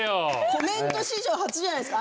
コメント史上初じゃないですか？